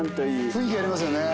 雰囲気ありますよね。